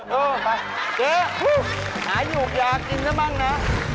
เออไปเจ๊ฮู้หายอยู่อยากกินซะบ้างนะ